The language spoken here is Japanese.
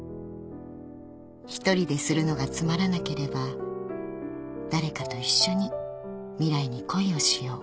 ［一人でするのがつまらなければ誰かと一緒に未来に恋をしよう］